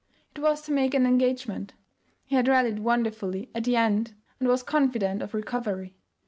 It was to make an engagement. He had rallied wonderfully at the end and was confident of recovery.